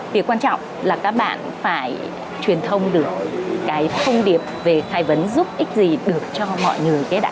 việc quan trọng là các bạn phải truyền thông được cái thông điệp về khai vấn giúp ích gì được cho mọi người